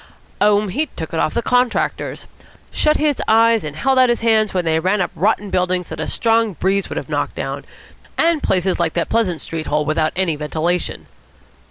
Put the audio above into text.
"Oh, he took it off the contractors. Shut his eyes and held out his hands when they ran up rotten buildings that a strong breeze would have knocked down, and places like that Pleasant Street hole without any ventilation."